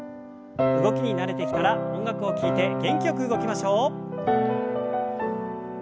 動きに慣れてきたら音楽を聞いて元気よく動きましょう。